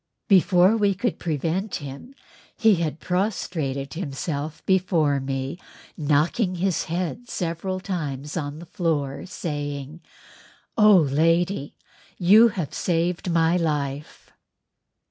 Before we could prevent him he had prostrated himself before me knocking his head several times on the floor, saying, "Oh, lady, you have saved my life!"